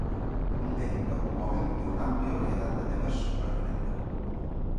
Un tècnic d'automòbil té una àmplia varietat de temes per aprendre.